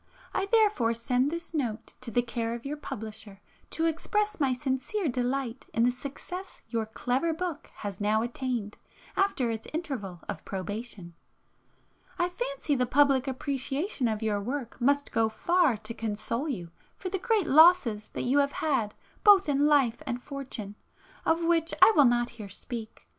I therefore send this note to the care of your publisher to express my sincere delight in the success your clever book has now attained after its interval of probation. I fancy the public appreciation of your work must go far to console you for the great losses you have had both in life and fortune, of which I will not here speak.